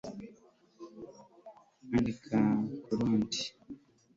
Andika kurundi